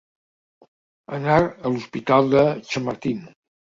Anar a l'hospital de Chamartín.